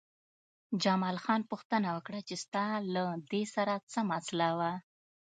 جمال خان پوښتنه وکړه چې ستا له دې سره څه مسئله وه